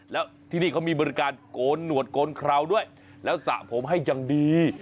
แล้วที่นี่เขามีบริการโกนหนวดโกนคราวด้วยแล้วสระผมให้อย่างดี